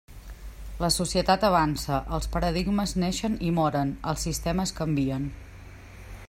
La societat avança, els paradigmes naixen i moren, els sistemes canvien.